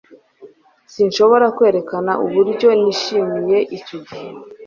S Sinshobora kwerekana uburyo nishimiye icyo gihe